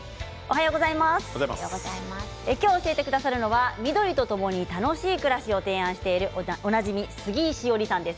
今日、教えてくださるのは緑とともに楽しい暮らしを提案しているおなじみ、杉井志織さんです。